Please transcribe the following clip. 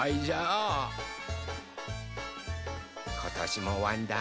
ことしもわんだー